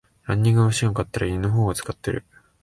ランニングマシン買ったら犬の方が使ってる